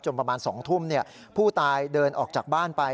ประมาณ๒ทุ่มผู้ตายเดินออกจากบ้านไป